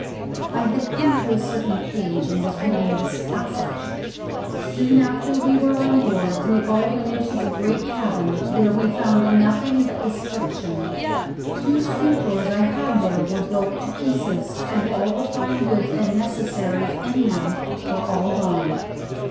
I had come to a certain page and was reading this passage: "_Soon after we were on board we all went into the great cabin, where we found nothing but destruction. Two scrutores I had there were broke to pieces, and all the fine goods and necessaries in them were all gone.